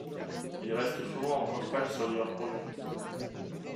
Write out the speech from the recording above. Ils restent souvent en contact sur divers projets.